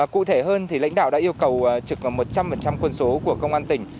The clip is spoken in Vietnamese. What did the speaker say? cụ thể hơn lãnh đạo đã yêu cầu trực một trăm linh quân số của công an tỉnh